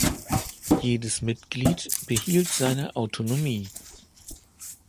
Jedes Mitglied behielt seine Autonomie.